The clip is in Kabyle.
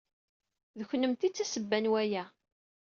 D kennemti ay d tasebba n waya.